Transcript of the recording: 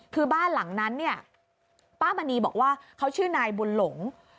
คือบ้านหลังนั้นเนี่ยป้ามณีบอกว่าเขาชื่อนายบุญหลง